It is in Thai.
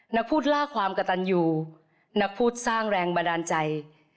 นักพูดล่าความกระตันอยู่นักพูดสร้างแรงบันดาลใจ